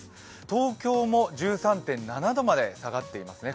東京も１３．７度まで下がっていますね。